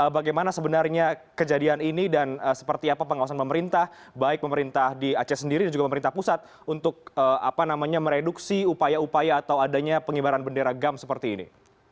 bagaimana sebenarnya kejadian ini dan seperti apa pengawasan pemerintah baik pemerintah di aceh sendiri dan juga pemerintah pusat untuk mereduksi upaya upaya atau adanya pengibaran bendera gam seperti ini